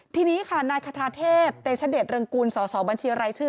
ทีนี้ค่ะนายคาทาเทพเตชเดชเริงกูลสอสอบัญชีรายชื่อ